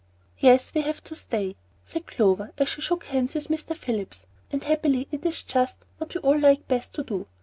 "Yes, we have to stay," said Clover, as she shook hands with Mr. Phillips, "and happily it is just what we all like best to do."